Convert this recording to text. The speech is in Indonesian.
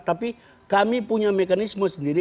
tapi kami punya mekanisme sendiri